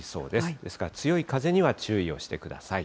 ですから強い風には注意をしてください。